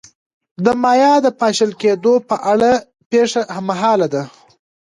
د مایا د پاشل کېدو په اړه پېښه هممهاله ده.